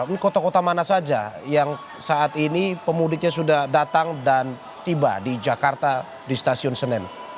ini kota kota mana saja yang saat ini pemudiknya sudah datang dan tiba di jakarta di stasiun senen